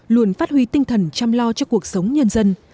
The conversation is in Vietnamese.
luôn phát huy tinh thần chăm lo cho cuộc sống nhân dân